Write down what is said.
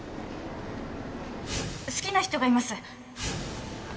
好きな人がいます。